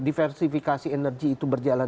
diversifikasi energi itu berjalan